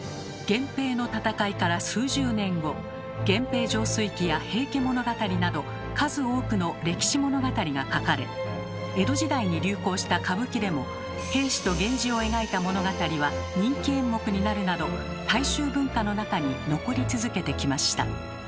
源平の戦いから数十年後「源平盛衰記」や「平家物語」など数多くの歴史物語が書かれ江戸時代に流行した歌舞伎でも平氏と源氏を描いた物語は人気演目になるなど大衆文化の中に残り続けてきました。